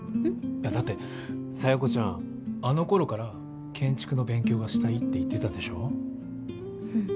いやだって佐弥子ちゃんあの頃から「建築の勉強がしたい」って言ってたでしょうん